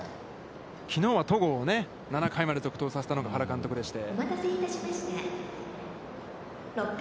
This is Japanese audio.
きのうは戸郷を７回まで続投させたのが原監督でして。